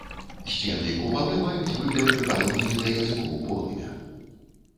Сцены і купалы маюць выгляд прыпадобнены да языкоў полымя.